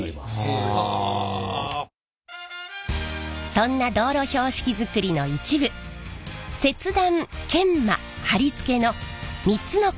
そんな道路標識作りの一部切断研磨貼り付けの３つの工程を紹介します。